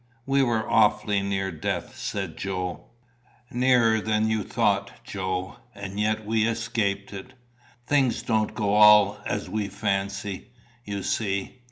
"We were awfully near death," said Joe. "Nearer than you thought, Joe; and yet we escaped it. Things don't go all as we fancy, you see.